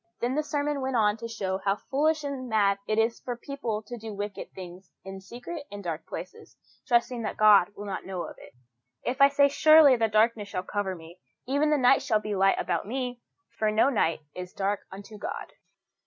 Then the sermon went on to show how foolish and mad it is for people to do wicked things in secret and dark places, trusting that God will not know it. "If I say, Surely the darkness shall cover me, even the night shall be light about me," for no night is dark unto God.